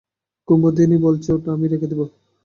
কুমুদিনী বললে, ওটা আমিই রেখে দেব।